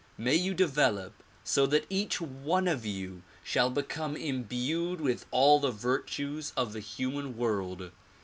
May you develop so that each one of you shall become imbued with all the virtues of the human world.